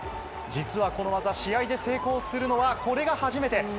実はこの技、試合で成功するのは、これが初めて。